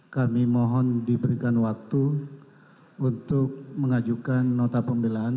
kami mohon diberikan waktu untuk mengajukan nota pemilaan